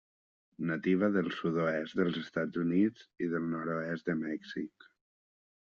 Nativa del sud-oest dels Estats Units i del nord-oest de Mèxic.